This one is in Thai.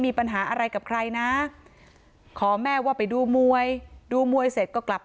มีปัญหาอะไรกับใครนะขอแม่ว่าไปดูมวยดูมวยเสร็จก็กลับ